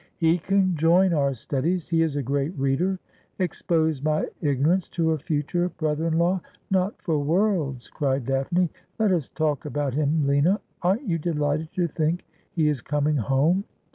' He can join our studies ; he is a great reader.' ' Expose my ignorance to a future brother in law ? Not for worlds !' cried Daphne. ' Let us talk about him, Lina. Aren't you delighted to think he is coming home